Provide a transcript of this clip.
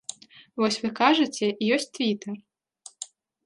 Вось вы кажаце, ёсць твітар.